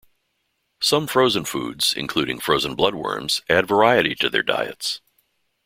Some frozen foods, including frozen blood worms, add variety to their diets.